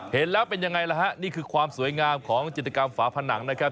เห็นแล้วเป็นยังไงล่ะฮะนี่คือความสวยงามของจิตกรรมฝาผนังนะครับ